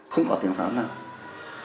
không có tiếng pháo nào